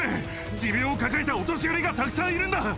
持病を抱えたお年寄りがたくさんいるんだ。